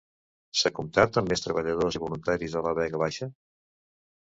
S'ha comptat amb més treballadors i voluntaris a la Vega Baixa?